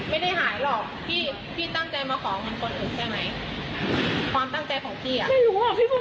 เพิ่งผ่านไปแค่สองวันสามวันนะสองวัน